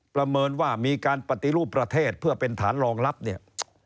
ประเมินว่ามีการปฏิรูปประเทศเพื่อเป็นฐานรองรับเนี่ย